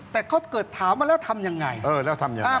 แต่เขาเกิดถามมาแล้วทำยังไงเออแล้วทำยังไง